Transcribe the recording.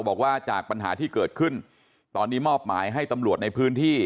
บอกว่าจากปัญหาที่เกิดขึ้นตอนนี้มอบหมายให้ตำรวจในพื้นที่